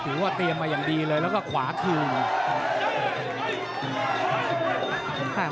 ถือว่าเตรียมมาอย่างดีเลยแล้วก็ขวาคืน